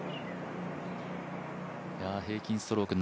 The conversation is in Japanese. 平均ストローク